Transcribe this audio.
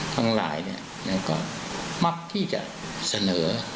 บางหลายก็มักที่จะเสนอ